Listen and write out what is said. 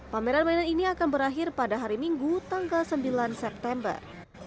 pameran mainan ini akan berakhir pada hari minggu tanggal sembilan september